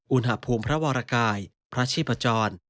อุณหภูมิพระวรกายพระชีพจร